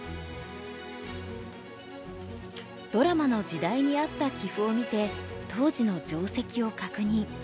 ドラマの時代に合った棋譜を見て当時の定石を確認。